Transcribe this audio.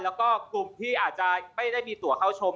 แล้วก็กลุ่มที่อาจจะไม่ได้มีตัวเข้าชม